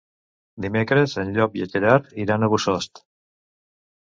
Dimecres en Llop i en Gerard iran a Bossòst.